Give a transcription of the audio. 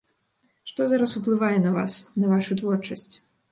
Што зараз ўплывае на вас, на вашу творчасць?